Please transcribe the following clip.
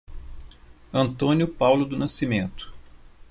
Antônio Paulo do Nascimento